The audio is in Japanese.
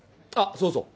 そうそう